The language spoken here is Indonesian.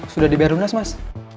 sudah dibayar lunas mas